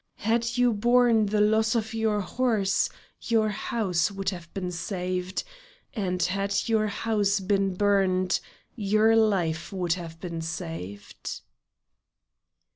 Had you borne the loss of your horse, your house would have been saved, and had your house been burned, your life would have been saved."